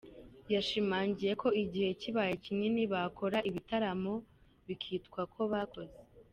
Yashimangiye ko igihe kibaye kinini bakora ibitaramo bikitwa ko bakoze